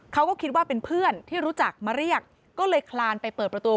เขาก็คิดว่าเป็นเพื่อนที่รู้จักมาเรียกก็เลยคลานไปเปิดประตู